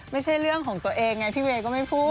ไม่ใช่เรื่องของตัวเองไงพี่เวย์ก็ไม่พูด